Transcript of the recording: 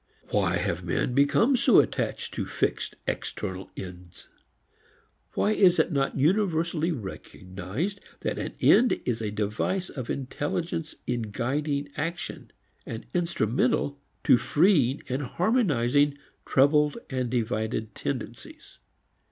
Why have men become so attached to fixed, external ends? Why is it not universally recognized that an end is a device of intelligence in guiding action, instrumental to freeing and harmonizing troubled and divided tendencies?